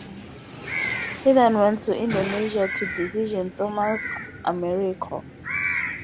He then went to Indonesia to decision Thomas Americo.